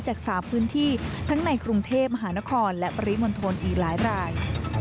จาก๓พื้นที่ทั้งในกรุงเทพมหานครและปริมณฑลอีกหลายราย